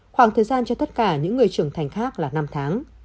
khoảng thời gian cho tất cả những người trưởng thành khác là năm tháng